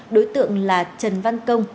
đối tượng là trần văn công